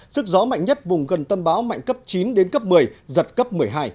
sức gió mạnh nhất vùng gần tâm bão mạnh cấp chín đến cấp một mươi giật cấp một mươi hai